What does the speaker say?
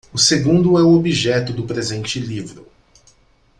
O segundo é o objeto do presente livro.